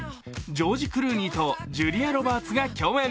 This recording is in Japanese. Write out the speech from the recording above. ジョージ・クルーニーとジュリア・ロバーツが共演。